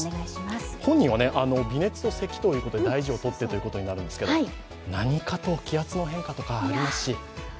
本人は微熱とせきということで、大事をとってということになりますが何かと気圧の変化とかありますし。